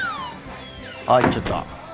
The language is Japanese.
あ行っちゃった。